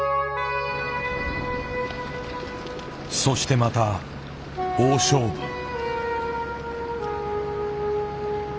そしてまた大勝負。